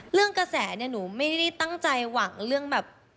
กระแสเนี่ยหนูไม่ได้ตั้งใจหวังเรื่องแบบ